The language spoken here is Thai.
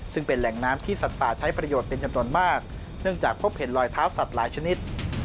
ซึ่งเป็นแหล่งน้ำที่สัตว์ป่าใช้ประโยชน์เป็นจำนวนมากเนื่องจากพบเห็นรอยเท้าสัตว์หลายชนิด